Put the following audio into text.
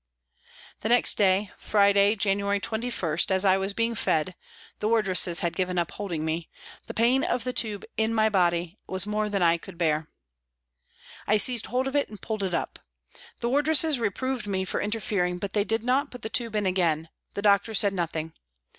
The next day, Friday, January 21, as I was being fed the wardresses had given up holding me the pain of the tube in my body was more than I could bear ; I seized hold of it and pulled it up. The wardresses reproved me for interfering, but they did not put the tube in again ; the doctor said nothing.